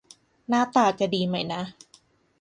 หน้าตาจะดีไหมนะ